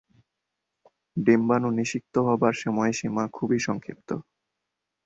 ডিম্বাণু নিষিক্ত হবার সময়সীমা খুবই সংক্ষিপ্ত।